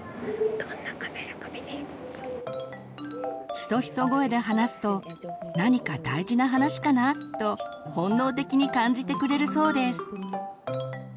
ヒソヒソ声で話すと「何か大事な話かな？」と本能的に感じてくれるそうです。